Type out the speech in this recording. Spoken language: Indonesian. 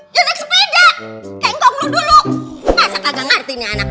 dia naik sepeda kaya nggong lu dulu masa kagak ngerti ini anak